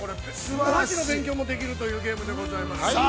お箸の勉強もできるというゲームでございます。